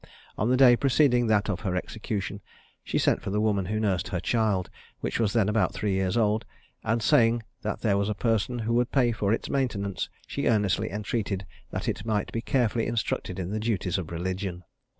On the day preceding that of her execution, she sent for the woman who nursed her child, which was then about three years old, and saying that there was a person who would pay for its maintenance, she earnestly entreated that it might be carefully instructed in the duties of religion.